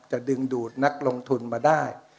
จะดึงดูดนักลงทุนมาได้